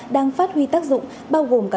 đang phát huy tác dụng bao gồm cả